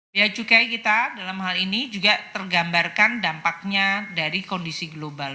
biaya cukai kita dalam hal ini juga tergambarkan dampaknya dari kondisi global